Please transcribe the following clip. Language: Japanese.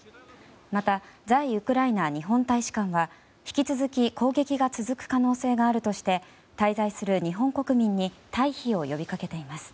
また、在ウクライナ日本大使館は引き続き攻撃が続く可能性があるとして滞在する日本国民に退避を呼びかけています。